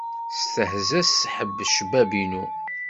Testehza s ḥebb-cbab-inu.